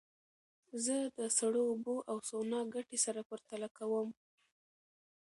زه د سړو اوبو او سونا ګټې سره پرتله کوم.